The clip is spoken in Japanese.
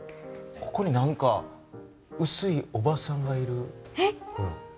ここに何かうすいおばさんがいる。